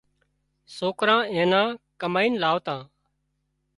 سوڪرا اين نا ڪمائينَ لاوتا